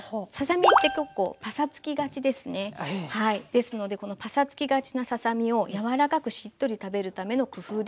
ですのでこのパサつきがちなささ身をやわらかくしっとり食べるための工夫です。